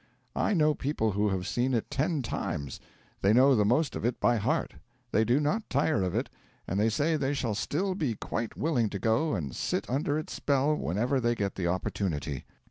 I know people who have seem it ten times; they know the most of it by heart; they do not tire of it; and they say they shall still be quite willing to go and sit under its spell whenever they get the opportunity.